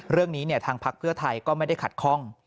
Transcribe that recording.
เรื่องนี้ทางพักเพื่อไทยก็ไม่ได้ขัดข้อง